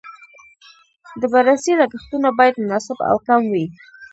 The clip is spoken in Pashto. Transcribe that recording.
د بررسۍ لګښتونه باید مناسب او کم وي.